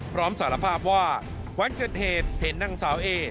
สารภาพว่าวันเกิดเหตุเห็นนางสาวเอ